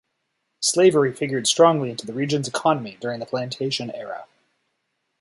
Slavery figured strongly into the region's economy during the plantation era.